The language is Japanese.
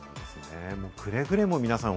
くれぐれも皆さん